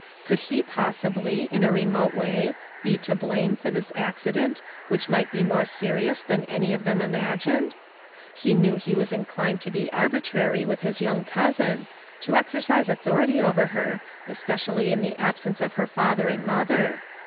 Could he pos sibly, in a remote way, be to blame for this ac cident, which might be more serious than any of them imagined? He knew he was inclined to be arbitrary with his young cousin, to exer cise authority over her, especially in the absence of her father and mother.